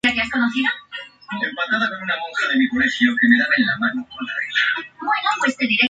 El conjunto hizo varias grabaciones exitosas para la recientemente instalada Compañía de discos Brunswick.